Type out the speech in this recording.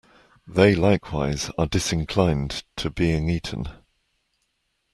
They likewise are disinclined to being eaten.